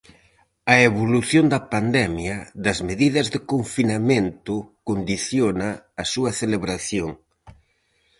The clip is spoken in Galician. A evolución da pandemia, das medidas de confinamento, condiciona a súa celebración.